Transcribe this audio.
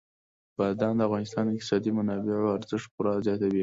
بادام د افغانستان د اقتصادي منابعو ارزښت پوره زیاتوي.